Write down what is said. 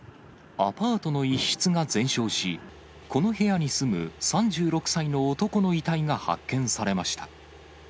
アパートの一室が全焼し、この部屋に住む３６歳の男の遺体が発見されました。